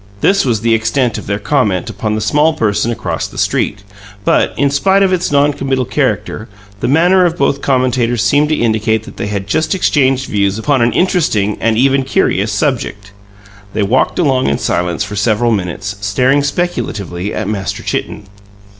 This was the extent of their comment upon the small person across the street; but, in spite of its non committal character, the manner of both commentators seemed to indicate that they had just exchanged views upon an interesting and even curious subject. They walked along in silence for several minutes, staring speculatively at Master Chitten.